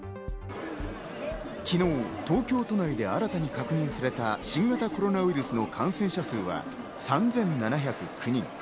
昨日、東京都内で新たに確認された新型コロナウイルスの感染者数は３７０９人。